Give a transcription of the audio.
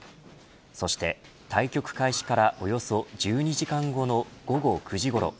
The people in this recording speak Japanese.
そして対局開始からおよそ１２時間後の午後９時ごろ。